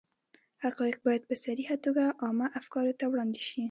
حقایق باید په صریحه توګه عامه افکارو ته وړاندې شي.